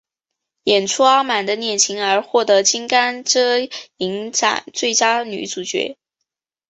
演出阿满的恋情而获得金甘蔗影展最佳女主角。